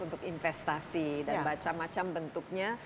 untuk investasi dan macam macam bentuknya